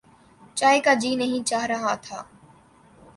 چائے کا جی نہیں چاہ رہا تھا۔